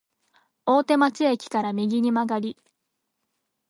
大手町駅から右に曲がり、